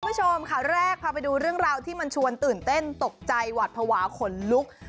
คุณผู้ชมข่าวแรกพาไปดูเรื่องราวที่มันชวนตื่นเต้นตกใจหวัดภาวะขนลุก